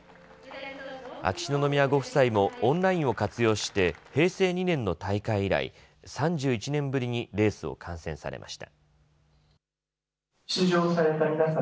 秋篠宮ご夫妻もオンラインを活用して平成２年の大会以来、３１年ぶりにレースを観戦されました。